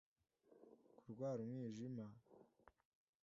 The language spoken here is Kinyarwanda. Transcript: Kurwara umwijima